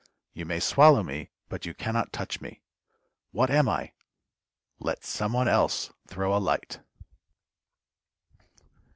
You may swallow me, but you can not touch me. What am I? Let some one else throw a light.